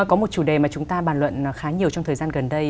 có một chủ đề mà chúng ta bàn luận khá nhiều trong thời gian gần đây